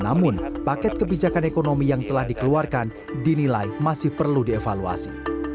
namun paket kebijakan ekonomi yang telah dikeluarkan dinilai masih perlu dievaluasi